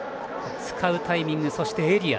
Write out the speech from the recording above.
使うタイミングそしてエリア。